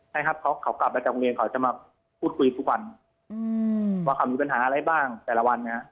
ใช่ครับเขากลับมาจากโรงเรียนเขาจะมาพูดคุยทุกวันว่าเขามีปัญหาอะไรบ้างแต่ละวัน